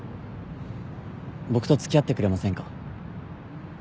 僕と付き合ってくれませんか？